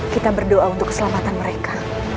kita berdoa untuk keselamatan mereka